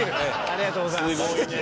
ありがとうございます。